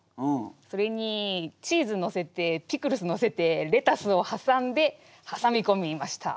それにチーズのせてピクルスのせてレタスをはさんではさみこみました。